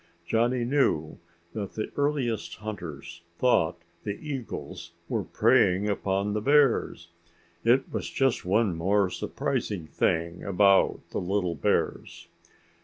Johnny knew that the earliest hunters thought the eagles were preying upon the bears. It was just one more surprising thing about the little bears.